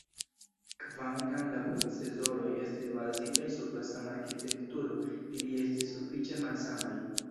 Kvankam la procesoroj estis bazitaj sur la sama arkitekturo ili estis sufiĉe malsamaj.